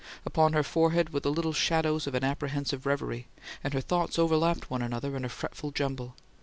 Upon her forehead were the little shadows of an apprehensive reverie, and her thoughts overlapped one another in a fretful jumble.